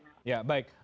oke ya baik